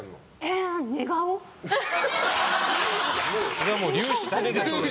それはもう流出レベル。